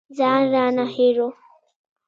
ځان رانه هېر و.